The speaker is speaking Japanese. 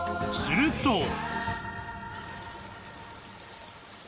［すると］